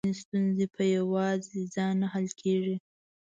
ځينې ستونزې په يواځې ځان نه حل کېږي .